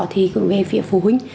thì cũng về phía phụ huynh